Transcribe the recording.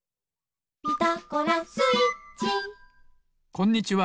こんにちは。